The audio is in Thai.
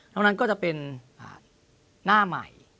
ตรงนั้นก็จะเป็นหน้าใหม่